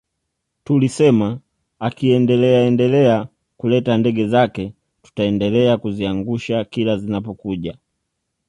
Tulisema akiendeleaendelea kuleta ndege zake tutaendelea kuziangusha kila zinapokuja